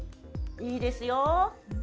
いいですよ。